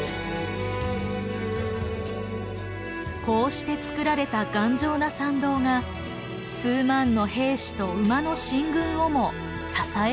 こうしてつくられた頑丈な桟道が数万の兵士と馬の進軍をも支えたのです。